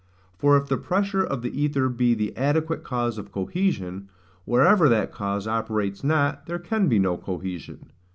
For if the pressure of the aether be the adequate cause of cohesion, wherever that cause operates not, there can be no cohesion.